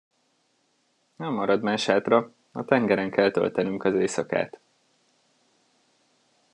Nem marad más hátra, a tengeren kell töltenünk az éjszakát.